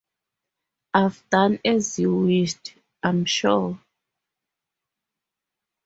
I’ve done as you wished, I’m sure.